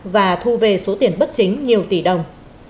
và thu về số tiền bất chính nhiều tỷ đồng